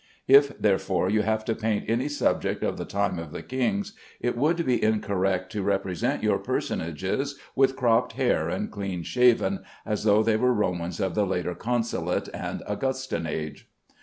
If, therefore, you have to paint any subject of the time of the kings, it would be incorrect to represent your personages with cropped hair and clean shaven, as though they were Romans of the later Consulate and Augustan age.